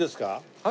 はい。